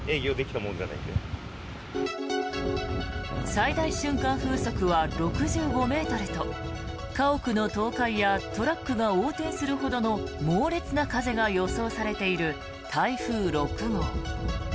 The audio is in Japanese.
最大瞬間風速は６５ｍと家屋の倒壊やトラックが横転するほどの猛烈な風が予想されている台風６号。